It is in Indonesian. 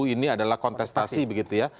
ini adalah kontestasi begitu ya